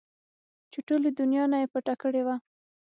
چې ټولې دونيا نه يې پټه کړې وه.